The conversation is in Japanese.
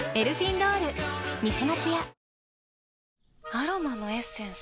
アロマのエッセンス？